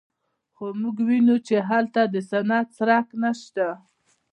خو موږ ویني چې هلته د صنعت څرک نشته